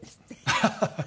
ハハハハ！